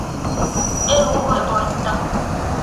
އެ ރޫޙު އެބަ އޮތްތަ؟